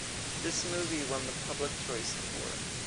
This movie won the public choice award